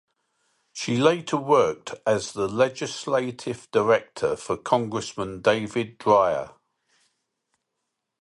She later worked as the legislative director for Congressman David Dreier.